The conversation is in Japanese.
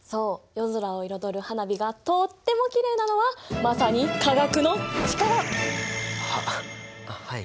夜空を彩る花火がとってもきれいなのはまさに化学の力！ははい。